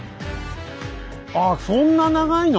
あっそんな長いの⁉